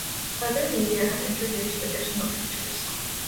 Other media have introduced additional creatures.